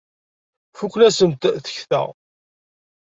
Fukent-asent tekta.